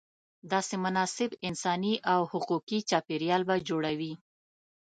داسې مناسب انساني او حقوقي چاپېریال به جوړوې.